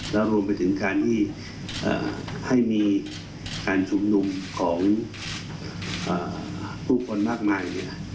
แล้วรวมไปถึงการที่ให้มีการชุมนุมของผู้คนมากมาย